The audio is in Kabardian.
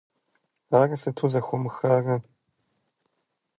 Ар сыту зэхомыхарэ?